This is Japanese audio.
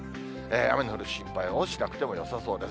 雨の降る心配はしなくてもよさそうです。